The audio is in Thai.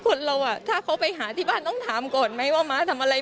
คนเราอ่ะถ้าเขาไปหาที่บ้านต้องถามก่อนไหมว่าม้าทำอะไร